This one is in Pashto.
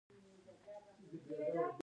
د تاریخ او کلتور هیواد.